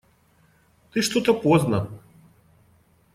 Ты что-то поздно.